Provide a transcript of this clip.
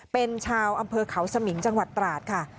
เป็นชาวอำเภอเขาสมิงจังหวัดตราดค่ะ